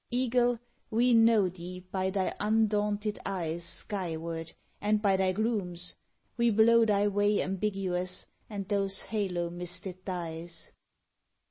Eagle! we know thee by thy undaunted eyes Sky ward, and by thy glooms; we blow thy way Ambiguous, and those halo misted dyes.